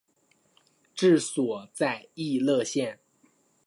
治所在溢乐县。